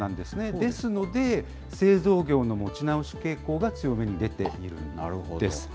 ですので、製造業の持ち直し傾向が強めに出ているんです。